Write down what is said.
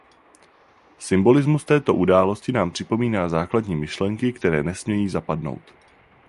Symbolismus této události nám připomíná základní myšlenky, které nesmějí zapadnout.